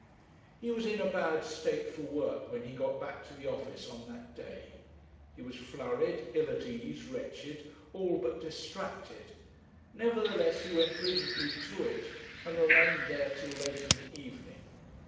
He was in a bad state for work when he got back to the office on that day. He was flurried, ill at ease, wretched, all but distracted; nevertheless he went rigidly to it, and remained there till late in the evening.